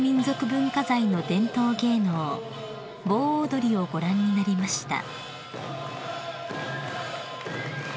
文化財の伝統芸能棒踊りをご覧になりました］